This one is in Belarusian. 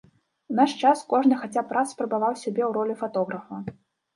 У наш час кожны хаця б раз спрабаваў сябе ў ролі фатографа.